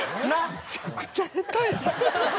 むちゃくちゃ下手やん。